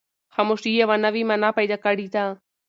خاموشي یوه نوې مانا پیدا کړې ده.